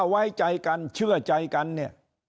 ไว้ใจกันเชื่อใจกันเนี่ย